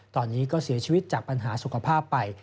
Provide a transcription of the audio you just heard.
ตอนนี้ก็เสียชีวิตจากปัญหาสุขภาพไป